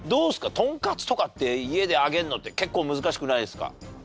トンカツとかって家で揚げるのって結構難しくないですか？